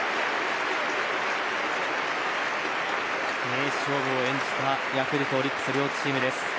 名勝負を演じたヤクルトオリックスの両チームです。